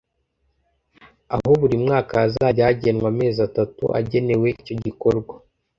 aho buri mwaka hazajya hagenwa amezi atatu agenewe icyo gikorwa